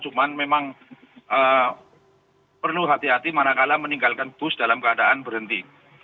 cuman memang perlu hati hati manakala meninggalkan bus dalam keadaan berhenti